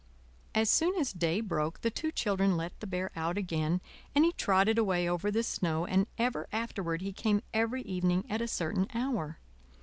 As soon as day broke the two children let the Bear out again, and he trotted away over the snow, and ever afterward he came every evening at a certain hour.